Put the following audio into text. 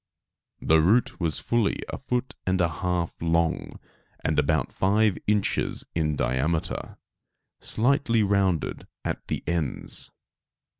The root was fully a foot and a half long, and about five inches in diameter, slightly rounded at the ends.